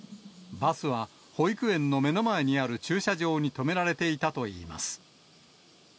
バスは保育園の目の前にある駐車場に止められていたといいます。